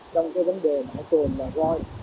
trong cái vấn đề mạng tồn là voi